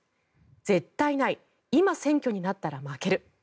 絶対ない今、選挙になったら負ける。